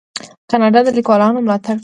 کاناډا د لیکوالانو ملاتړ کوي.